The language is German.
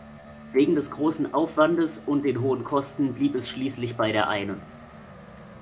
Wegen des großen Aufwandes und den hohen Kosten blieb es schließlich bei der einen.